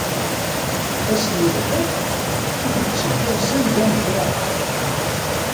Ass n Lḥedd, ur ttedduɣ sanda n kra.